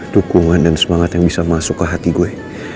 dukungan dan semangat yang bisa masuk ke hati gue